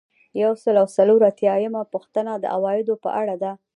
یو سل او څلور اتیایمه پوښتنه د عوایدو په اړه ده.